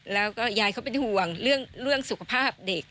แล้วก็ยายเขาเป็นห่วงเรื่องสุขภาพเด็ก